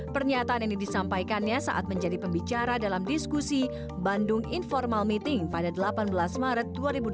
pernyataan ini disampaikannya saat menjadi pembicara dalam diskusi bandung informal meeting pada delapan belas maret dua ribu delapan belas